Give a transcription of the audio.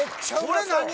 これ何？